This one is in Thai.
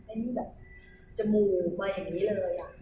อันนี้แบบจมูกมาอย่างนี้เลย